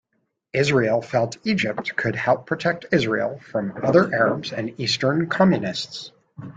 Israel felt Egypt could help protect Israel from other Arabs and Eastern communists.